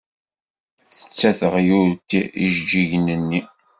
Tečča teɣyult ijeǧǧigen-nni.